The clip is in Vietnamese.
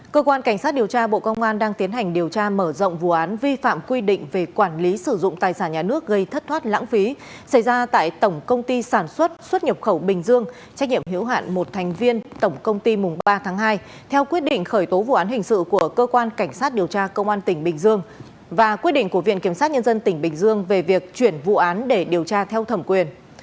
cơ quan cảnh sát điều tra bộ công an đang tiến hành điều tra mở rộng vụ án vi phạm quy định về quản lý sử dụng tài sản nhà nước gây thất thoát lãng phí xảy ra tại tổng công ty sản xuất xuất nhập khẩu bình dương trách nhiệm hiểu hạn một thành viên tổng công ty mùng ba tháng hai theo quyết định khởi tố vụ án hình sự của cơ quan cảnh sát điều tra công an tỉnh bình dương và quyết định của viện kiểm sát nhân dân tỉnh bình dương về việc chuyển vụ án để điều tra theo thẩm quyền